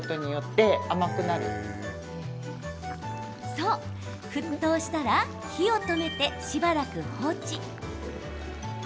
そう、沸騰したら火を止めてしばらく放置。